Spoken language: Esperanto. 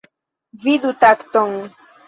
Vidu takton.